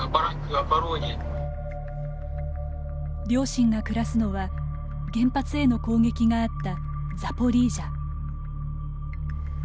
両親が暮らすのは、原発への攻撃があったザポリージャ。